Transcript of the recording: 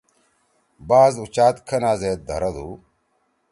باز اُچات کھنا زید دھردُو۔